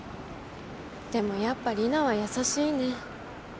でもやっぱリナは優しいね。